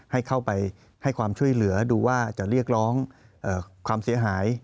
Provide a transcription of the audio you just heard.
ให้เข้าไปให้ความช่วยเหลือดูว่าจะเรียกร้องความเสียหาย